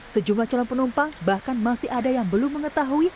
sejumlah calon penumpang bahkan masih ada yang belum mengetahui